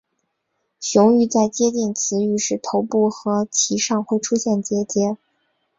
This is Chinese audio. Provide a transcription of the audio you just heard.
雄鱼在接近雌鱼时头部和鳍上会出现结节。